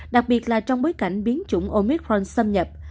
đặc biệt là trong bối cảnh biến chủng omicron xâm nhập